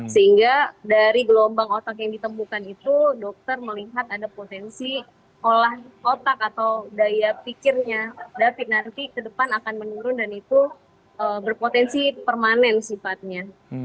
sehingga dari gelombang otak yang ditemukan itu dokter melihat ada potensi olah otak atau daya pikirnya david nanti ke depan akan menurun dan itu berpotensi permanen sifatnya